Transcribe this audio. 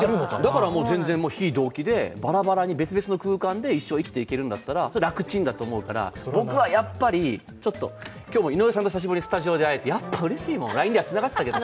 だから、全然、非同期で、バラバラの空間で一生、生きていけるなら楽ちんだと思うから、僕はやっぱり、ちょっと今日も井上さんと久しぶりにスタジオで会えてやっぱうれしいもん、ＬＩＮＥもうれしいけど。